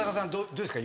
どうですか？